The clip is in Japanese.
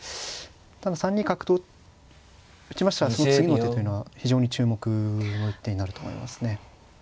ただ３二角と打ちましたらその次の手というのは非常に注目の一手になると思いますね。